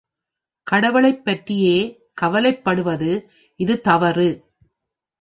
கடவுளைப் பற்றியே கவலைப்படுகிறது இது தவறு.